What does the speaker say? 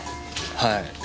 はい。